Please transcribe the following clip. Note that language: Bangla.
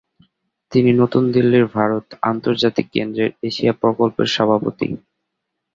তিনি নতুন দিল্লির ভারত আন্তর্জাতিক কেন্দ্রের এশিয়া প্রকল্পের সভাপতি।